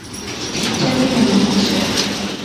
ঠিকঠাকই মনে হচ্ছে।